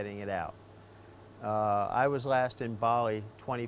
tidak ada teknik untuk mengembalikannya